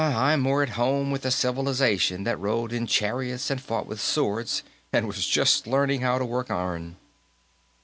I'm more at home with a civilization that rode in chariots and fought with swords and was just learning how to work iron.